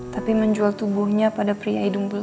tapi menjual tubuhnya pada perangai yang sama dengan saya